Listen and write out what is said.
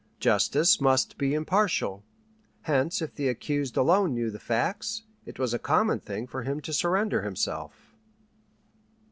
Justice must be impartial; hence if the accused alone knew the facts, it was a common thing for him to surrender himself.